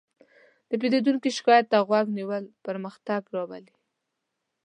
د پیرودونکي شکایت ته غوږ نیول پرمختګ راولي.